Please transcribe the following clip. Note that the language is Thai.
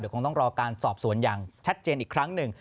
คงต้องรอการสอบสวนอย่างชัดเจนอีกครั้งหนึ่ง